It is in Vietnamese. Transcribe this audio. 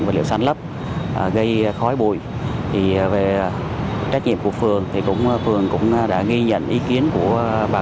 vật liệu săn lấp gây khói bụi về trách nhiệm của phường thì cũng phường cũng đã ghi nhận ý kiến của bà